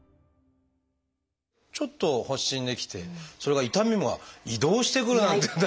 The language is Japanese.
ちょっと発疹出来てそれが痛みも移動してくるなんていったら。